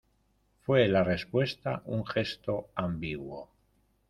fué la respuesta un gesto ambiguo: